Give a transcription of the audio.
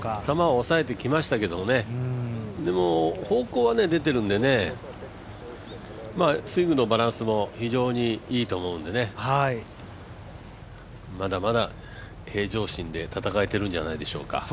押さえてきましたけど、方向は出ているのでスイングのバランスも非常にいいと思うんでねまだまだ平常心で戦えているんじゃないでしょうか。